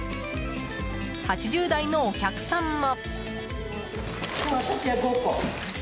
８０代のお客さんも。